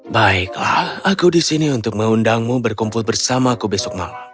baiklah aku disini untuk mengundangmu berkumpul bersama aku besok malam